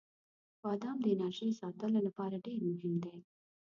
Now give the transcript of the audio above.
• بادام د انرژۍ ساتلو لپاره ډیر مهم دی.